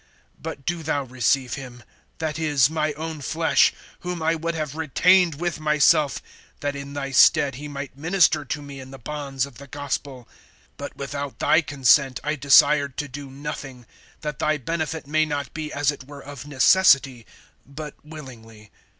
But do thou receive him, that is, my own flesh; (13)whom I would have retained with myself, that in thy stead he might minister to me in the bonds of the gospel. (14)But without thy consent I desired to do nothing; that thy benefit may not be as it were of necessity, but willingly.